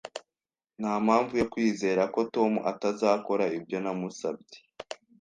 Ntampamvu yo kwizera ko Tom atazakora ibyo namusabye